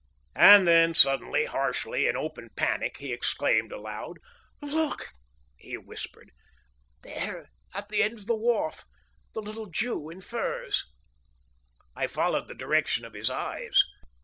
And then suddenly, harshly, in open panic, he exclaimed aloud: "Look!" he whispered. "There, at the end of the wharf the little Jew in furs!" I followed the direction of his eyes.